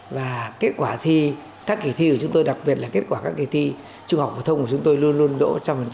và kết quả thi các kỳ thi của chúng tôi đặc biệt là kết quả các kỳ thi trung học phổ thông của chúng tôi luôn luôn lỗ một trăm linh